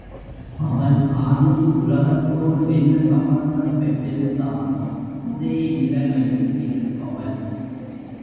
அவன் ஆதியில் உலகத்தோடு என்ன சம்பந்தம் பெற்றிருந்தானோ அதே நிலைமையில் இருப்பவன்.